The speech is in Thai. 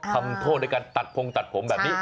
ทำโทษในการตัดพงตัดผมแบบนี้